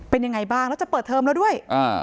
เป็นยังไงบ้างแล้วจะเปิดเทอมแล้วด้วย